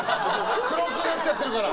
黒くなっちゃってるから。